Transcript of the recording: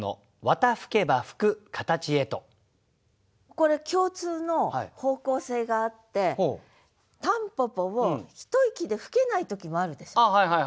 これ共通の方向性があって蒲公英をひと息で吹けない時もあるでしょ。